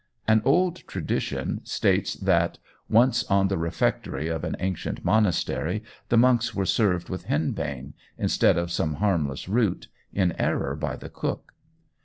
An old tradition states, that once in the refectory of an ancient monastery the monks were served with henbane, instead of some harmless root, in error by the cook.